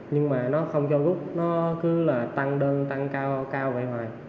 nhưng mà nó không cho gúc nó cứ là tăng đơn tăng cao vậy hoài